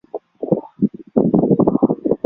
特列奥尔曼县是罗马尼亚南部的一个县。